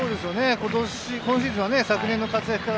今シーズンは昨年の活躍から